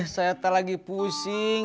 saya tadi lagi pusing